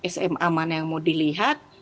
sma mana yang mau dilihat